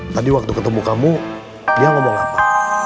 tadi waktu ketemu kamu dia ngomong apa